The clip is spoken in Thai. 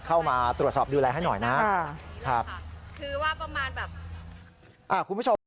เข้ามาตรวจสอบดูแลให้หน่อยนะค่ะครับคือว่าประมาณแบบอ่าคุณผู้ชมฮะ